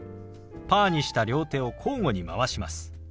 パーにした両手を交互に回します。